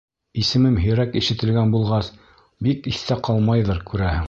Исемем һирәк ишетелгән булғас, бик иҫтә ҡалмайҙыр, күрәһең.